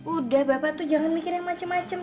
udah bapak tuh jangan mikir yang macem macem